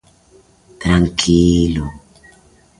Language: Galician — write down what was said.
Tranquilo.